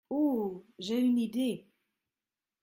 Oh ! j’ai une idée.